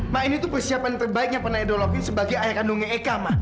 ma ini tuh persiapan terbaik yang pernah edo lakuin sebagai ayah kandungnya eka ma